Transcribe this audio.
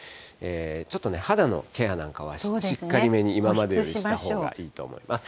ちょっとね、肌のケアなんかはしっかりめに、今までよりしたほうがいいです。